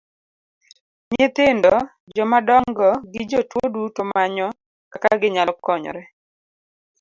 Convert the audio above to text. Nyithindo, joma dongo gi jotuo duto manyo kaka ginyalo konyore.